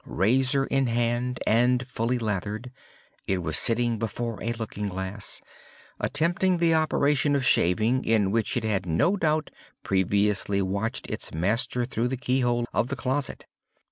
Razor in hand, and fully lathered, it was sitting before a looking glass, attempting the operation of shaving, in which it had no doubt previously watched its master through the key hole of the closet.